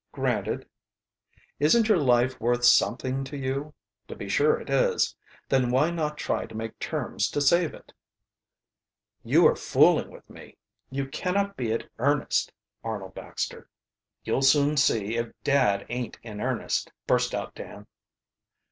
"Granted." "Isn't your life worth something to you? To be sure it is. Then why not try to make terms to save it?" "You are fooling with me. You cannot be it earnest, Arnold Baxter." "You'll soon see if dad aint in earnest," burst out Dan.